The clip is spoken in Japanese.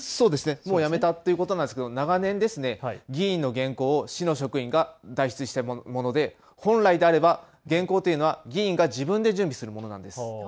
もうやめたということなんですが長年議員の原稿を市の職員が代筆したもので本来であれば原稿というのは議員が自分で準備するものなんです。